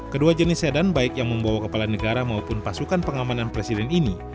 kedua jenis sedan baik yang membawa kepala negara maupun pasukan pengamanan presiden ini